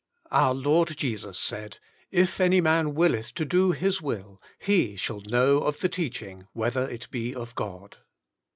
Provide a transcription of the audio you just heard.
Our Lord Jesus said :" If any man willeth to Do His Will, he shall Know of the Teaching whether it be of God."